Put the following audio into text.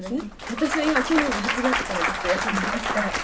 「私は今去年の８月からずっと休んでますからもう」